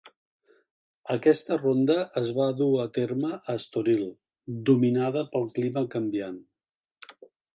Aquesta ronda es va dur a terme a Estoril, dominada pel clima canviant.